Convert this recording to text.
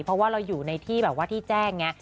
เพราะว่าเราอยู่ในที่แบบว่าที่แจ้งไง